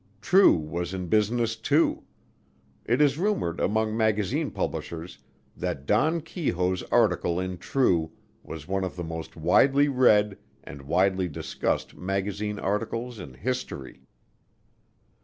True was in business too. It is rumored among magazine publishers that Don Keyhoe's article in True was one of the most widely read and widely discussed magazine articles in history.